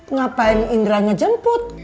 ngapain indra ngejemput